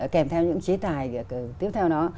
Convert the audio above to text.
kèm theo những chế tài tiếp theo nó